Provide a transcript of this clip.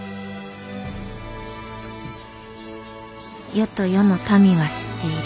「『余と余の民は知っている。